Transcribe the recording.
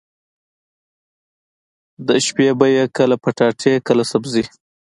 د شپې به يې کله پټاټې کله سبزي.